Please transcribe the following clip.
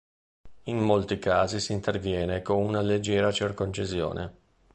In molti casi si interviene con una leggera circoncisione.